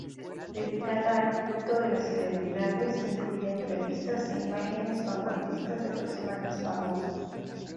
Dedicada al culto de las celebridades, incluye entrevistas e imágenes vanguardistas de personajes famosos.